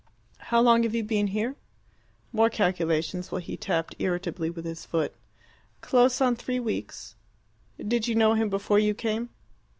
"How long have you been here?" More calculations, while he tapped irritably with his foot. "Close on three weeks." "Did you know him before you came?"